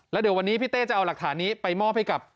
แล้วเดี๋ยววันนี้พี่เต้จะเอาหลักฐานนี้ไปมอบให้กับ